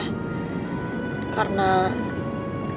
kalo gak ada yang mau ngelakuin tuh gue akan berhenti deh ya